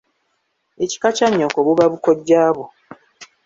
Ekika kya nnyoko buba bukojjabwo.